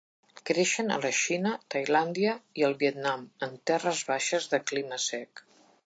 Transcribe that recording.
Creixen a la Xina, Tailàndia i al Vietnam, en terres baixes de clima sec.